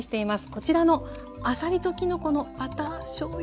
こちらの「あさりときのこのバターしょうゆ蒸し」